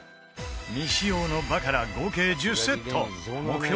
未使用のバカラ合計１０セット目標